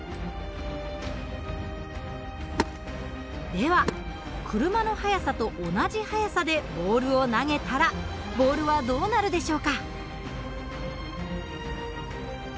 では車の速さと同じ速さでボールを投げたらボールはどうなるでしょうか？